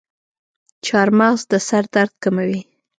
چارمغز د سر درد کموي.